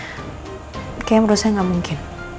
kayaknya menurut saya nggak mungkin